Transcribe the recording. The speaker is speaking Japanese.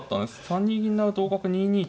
３二銀成同角２二。